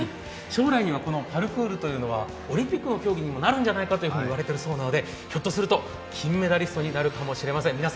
将来にはパルクールという競技はオリンピックの種目になるんじゃないかとも言われていますので、ひょっとすると、金メダリストになるかもしれません。